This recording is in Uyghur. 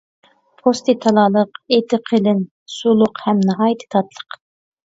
پوستى تالالىق، ئېتى قېلىن، سۇلۇق ھەم ناھايىتى تاتلىق.